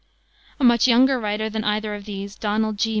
A much younger writer than either of these, Donald G.